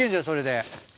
それで。